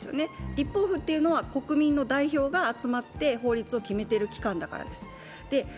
立法府っていうのは国民の代表が集まって法律を決めている機関だからです。